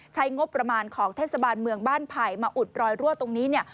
ใช้งบประมาณของเทศบาลเมืองบ้านไผ่มาอุดรอยรั่วตรงนี้เนี่ย